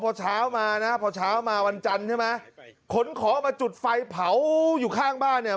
พอเช้ามานะพอเช้ามาวันจันทร์ใช่ไหมขนของมาจุดไฟเผาอยู่ข้างบ้านเนี่ย